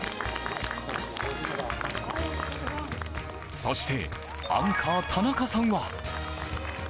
そして、アンカー田中さんは。